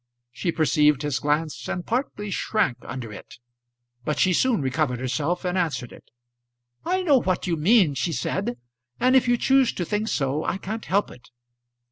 She perceived his glance and partly shrank under it, but she soon recovered herself and answered it. "I know what you mean," she said, "and if you choose to think so, I can't help it.